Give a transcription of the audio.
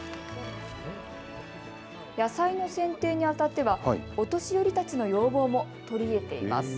野菜の選定にあたってはお年寄りたちの要望も取り入れています。